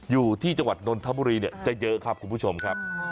อยู่ที่จังหวัดนนทบุรีจะเยอะครับคุณผู้ชมครับ